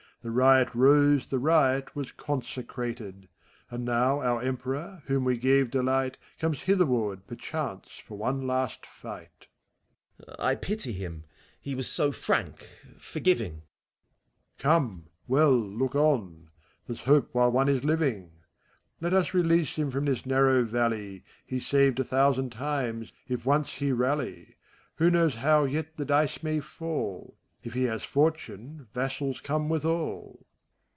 The riot rose, the riot was consecrated. And now our Emperor, whom we gave delight^ Comes hitherward, perchance for one last fight. 196 FAUST. FAUST. I pity him; he was so frank, forgiving. MEPHISTOPHELES. Come, well look on ! There's hope while one is living ! Let us release him from this narrow valley ! He's saved a thousand times, if once he rally. Who knows how yet the dice may fall? If he has fortune, vassals come withal.